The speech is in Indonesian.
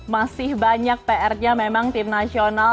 masih banyak pr nya memang tim nasional